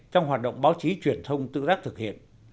trong hoạt động báo chí truyền thông tự giác thực hiện